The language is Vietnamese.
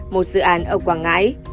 một dự án ở quảng ngãi